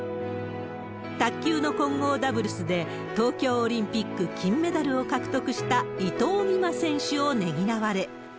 卓球の混合ダブルスで東京オリンピック金メダルを獲得した伊藤美誠選手をねぎらわれ。